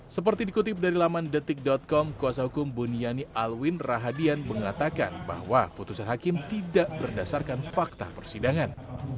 seperti dikutip dari laman detik com kuasa hukum buniani alwin rahadian mengatakan bahwa putusan hakim tidak berdasarkan fakta persidangan